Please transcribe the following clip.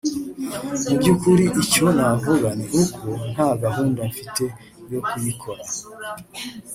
mu by’ukuri icyo navuga ni uko nta gahunda mfite yo kuyikora